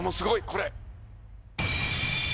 これ。